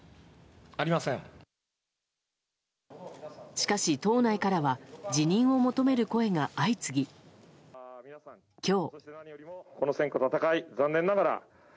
しかし、党内からは辞任を求める声が相次ぎ、今日。